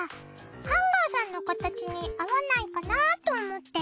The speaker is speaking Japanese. ハンガーさんのかたちに合わないかなと思って。